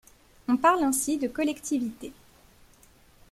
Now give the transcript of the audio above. On parle ainsi de collectivité.